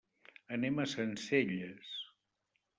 Anem a Sencelles.